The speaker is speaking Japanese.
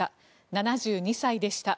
７２歳でした。